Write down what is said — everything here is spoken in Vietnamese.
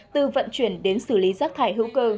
từ vận chuyển đến xử lý rác thải hữu cơ